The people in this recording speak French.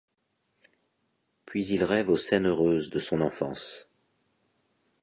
Puis il rêve aux scènes heureuses de son enfance.